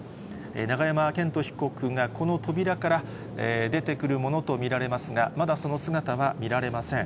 永山絢斗被告がこの扉から出てくるものと見られますが、まだその姿は見られません。